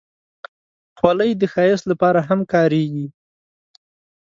خولۍ د ښایست لپاره هم کارېږي.